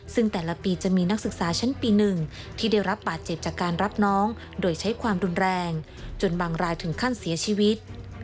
ซึ่งแต่ละปีจะมีนักศึกษาชั้นปี๑ที่ได้รับบาดเจ็บจากการรับน้องโดยใช้ความรุนแรงจนบางรายถึงขั้นเสียชีวิต